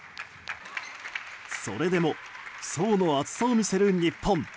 それでも層の厚さを見せる日本。